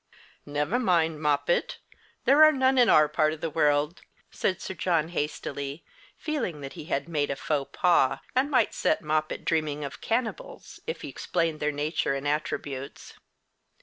"Never mind, Moppet; there are none in our part of the world," said Sir John, hastily, feeling that he had made a faux pas, and might set Moppet dreaming of cannibals if he explained their nature and attributes.